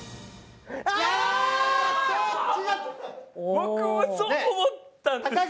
僕もそう思ったんです。